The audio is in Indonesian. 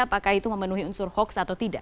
apakah itu memenuhi unsur hoax atau tidak